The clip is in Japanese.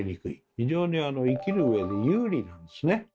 非常に生きるうえで有利なんですね。